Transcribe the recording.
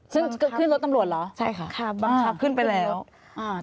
ซึ่งขึ้นรถตำรวจเหรอค่ะขึ้นไปแล้วบังคับ